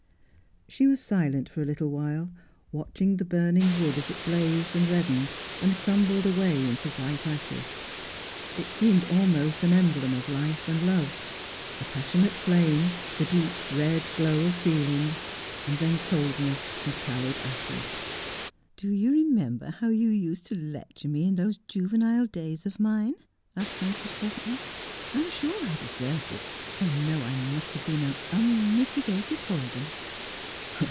She was silent for a little while, watching the burning wood as it blazed and reddened, and crumbled away into white ashes. It seemed almost an emblem of life and love — a passionate flame — the deep red glow of feeling — and then coldness and pallid ashes. 'Do you remember how you used to lecture me in those juvenile days of mine 1 ' asked Frances presently. ' I am sure I deserved it, for I know I must have been an unmitigated hoyden.'